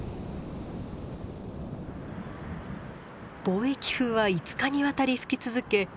貿易風は５日にわたり吹き続け